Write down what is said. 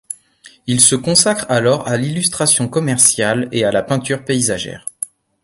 Il se consacre alors à l'illustration commerciale et à la peinture paysagère.